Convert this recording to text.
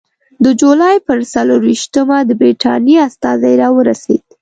د جولای پر څلېرویشتمه د برټانیې استازی راورسېد.